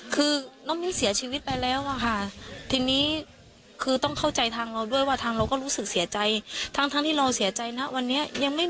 คือน้องมินท์เสียชีวิตไปแล้วค่ะทีนี้คือต้องเข้าใจทางเราด้วยว่าทางเราก็รู้สึกเสียใจ